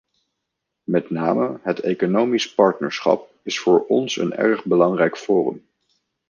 Met name het economisch partnerschap is voor ons een erg belangrijk forum.